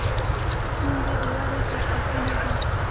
• ستونزې د ودې فرصتونه دي.